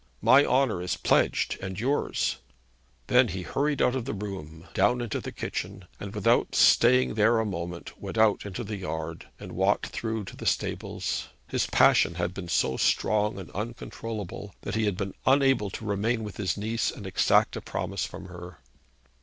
My honour is pledged, and yours.' Then he hurried out of the room, down into the kitchen, and without staying there a moment went out into the yard, and walked through to the stables. His passion had been so strong and uncontrollable, that he had been unable to remain with his niece and exact a promise from her.